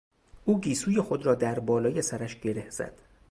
او گیسوی خود را در بالای سرش گره زد.